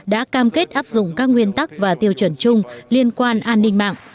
đã cam kết áp dụng các nguyên tắc và tiêu chuẩn chung liên quan an ninh mạng